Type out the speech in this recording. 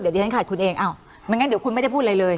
เดี๋ยวดิฉันขาดคุณเองอ้าวไม่งั้นเดี๋ยวคุณไม่ได้พูดอะไรเลย